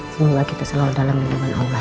semoga kita selalu dalam minuman allah